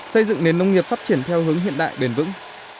xây dựng nền nông nghiệp phát triển theo hướng hiện đại bền vững